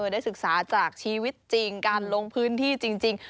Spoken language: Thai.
ได้ศึกษาจากชีวิตจริงการลงพื้นที่จริง